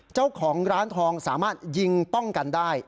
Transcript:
เจ้าของร้านทองสามารถยิงป้องกันได้